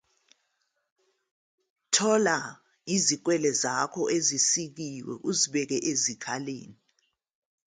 Thola izikwele zakho ezisikiwe uzibeke ezikhaleni.